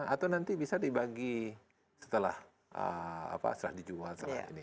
atau nanti bisa dibagi setelah dijual